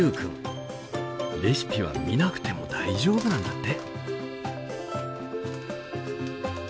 レシピは見なくても大丈夫なんだって。